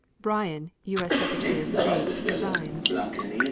Bryan, U. S. Secretary of State, resigns.